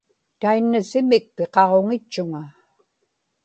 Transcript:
tainnasi-mik piqaġuŋitchuŋa